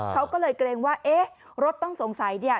เขาก็เลยเกรงว่าเอ๊ะรถต้องสงสัยเนี่ย